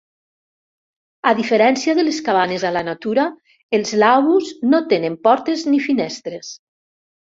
A diferència de les cabanes a la natura, els laavus no tenen portes ni finestres.